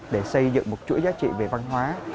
để xây dựng một chuỗi giá trị về văn hóa